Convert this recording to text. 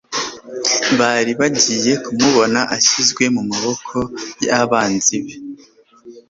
bari bagiye kumubona ashyizwe mu maboko y'abanzi be,